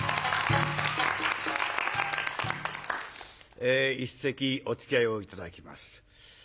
え一席おつきあいを頂きます。